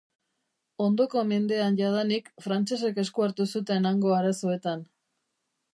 Ondoko mendean jadanik frantsesek esku hartu zuten hango arazoetan.